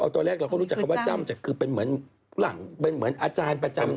ตอนแรกเราก็รู้จักคำว่าจ้ำจากคือเป็นเหมือนหลังเป็นเหมือนอาจารย์ประจำ